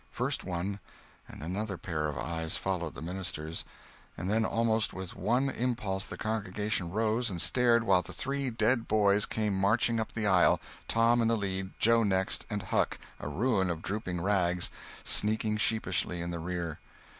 First one and then another pair of eyes followed the minister's, and then almost with one impulse the congregation rose and stared while the three dead boys came marching up the aisle, Tom in the lead, Joe next, and Huck, a ruin of drooping rags, sneaking sheepishly in the rear!